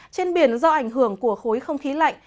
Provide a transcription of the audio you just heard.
trên biển do ảnh hưởng của khối không khí lạnh